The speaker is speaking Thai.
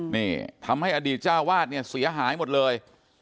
นี่ทำให้อดีตเจ้าวาดเนี่ยเสียหายหมดเลย